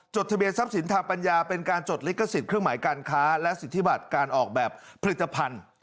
ทะเบียทรัพย์สินทางปัญญาเป็นการจดลิขสิทธิ์เครื่องหมายการค้าและสิทธิบัตรการออกแบบผลิตภัณฑ์